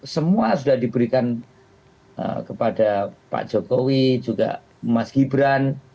semua sudah diberikan kepada pak jokowi juga mas gibran